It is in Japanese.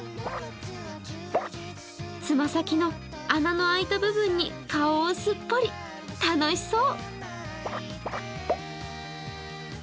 つま先の穴の空いた部分に顔をすっぽり、楽しそう。